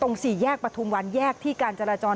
สี่แยกประทุมวันแยกที่การจราจร